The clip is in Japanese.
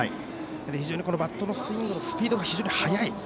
非常にバットのスイングスピードが非常に速い。